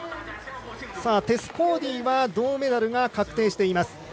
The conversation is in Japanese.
テス・コーディは銅メダルが確定しています。